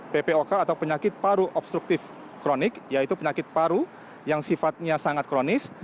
ppok atau penyakit paru obstruktif kronik yaitu penyakit paru yang sifatnya sangat kronis